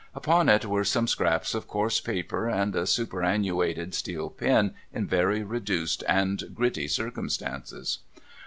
Upon it were some scraps of coarse paper, and a superannuated steel pen in very reduced and gritty circumstances.